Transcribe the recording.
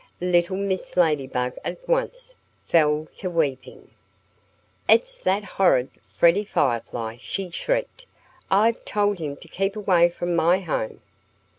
Little Mrs. Ladybug at once fell to weeping. "It's that horrid Freddie Firefly!" she shrieked. "I've told him to keep away from my home.